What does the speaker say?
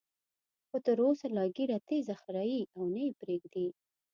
خو تر اوسه لا ږیره تېزه خرېي او نه یې پریږدي.